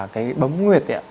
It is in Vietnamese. cái bấm nguyệt